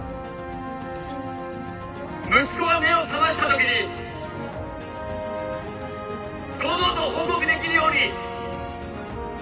息子が目を覚ましたときに堂々と報告できるように。